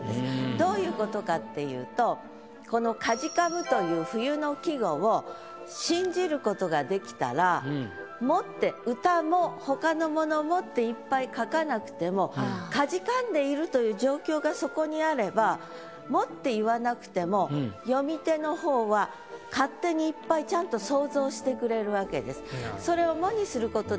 どういうことかっていうとこの「かじかむ」という冬の季語を信じることができたら「も」って歌もほかのものもっていっぱい書かなくてもかじかんでいるという状況がそこにあれば「も」って言わなくても読み手の方は勝手にいっぱいちゃんと想像してくれるわけです。